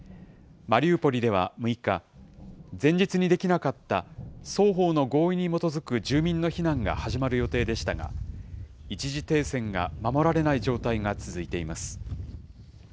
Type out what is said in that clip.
マリウポリでは６日、前日にできなかった、双方の合意に基づく住民の避難が始まる予定でしたが、一時停戦が守られない状態が続いています。